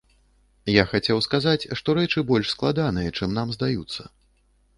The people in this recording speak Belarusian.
Я хацеў сказаць, што рэчы больш складаныя, чым нам здаюцца.